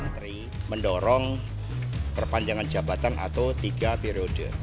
menteri mendorong perpanjangan jabatan atau tiga periode